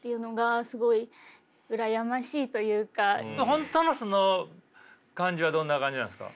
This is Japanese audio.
本当の素の感じはどんな感じなんですか。